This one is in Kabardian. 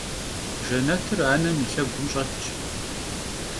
Jjenetır anem yi lhegum ş'etş.